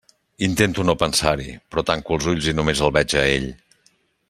Intento no pensar-hi, però tanco els ulls i només el veig a ell.